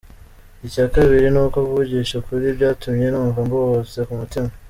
Icya kabiri nuko kuvugisha ukuri byatumye numva mbohotse ku mutima.